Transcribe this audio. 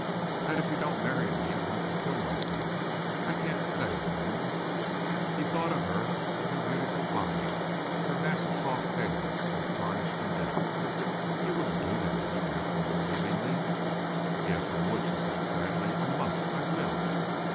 "That if you don't marry me I'll have to kill myself. I can't stay at home." He thought of her with her beautiful body, her mass of soft hair all tarnished in death. "You wouldn't do that?" he asked unbelievingly. "Yes, I would," she said sadly. "I must, I will."